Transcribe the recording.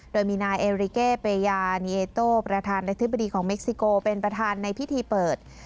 โดยมีนายเอริเกยานีเอโต้ประธานาธิบดีของเม็กซิโกเป็นประธานในพิธีเปิด